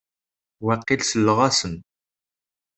Waqil selleɣ-asen.